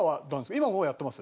今もやってます？